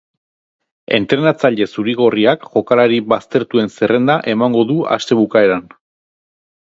Entrenatzaile zuri-gorriak jokalari baztertuen zerrenda emango du aste bukaeran.